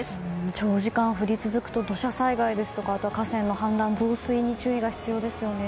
長時間降り続くと土砂災害ですとかあとは河川の氾濫、増水に注意が必要ですよね。